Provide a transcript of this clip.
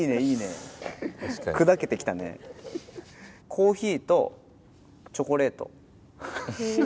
コーヒーとチョコレート。